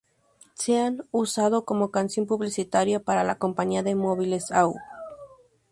Se ha usado como canción publicitaria para la compañía de móviles "au".